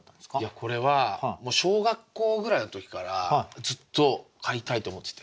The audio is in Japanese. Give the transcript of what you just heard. これは小学校ぐらいの時からずっと飼いたいって思ってて。